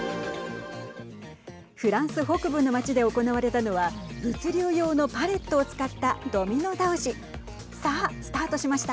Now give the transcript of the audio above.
フランス北部の町で行われたのは物流用のパレットを使ったドミノ倒し。